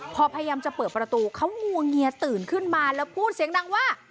พอพยายามจะเปิดประตูเขางวงเงียตื่นขึ้นมาแล้วพูดเสียงดังว่า